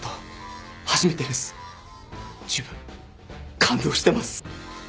自分感動してます。